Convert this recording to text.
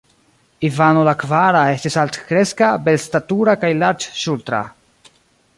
Ivano la kvara estis altkreska, belstatura kaj larĝŝultra.